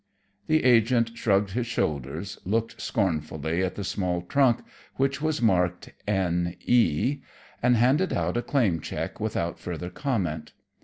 The agent shrugged his shoulders, looked scornfully at the small trunk, which was marked "N.E.," and handed out a claim check without further comment.